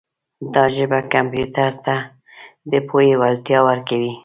دا ژبه کمپیوټر ته د پوهې وړتیا ورکوي.